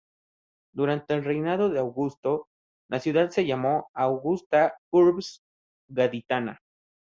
Durante el reinado de Augusto, la ciudad se llamó "Augusta Urbs Gaditana".